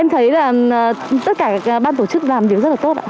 em thấy là tất cả các ban tổ chức làm điều rất là tốt ạ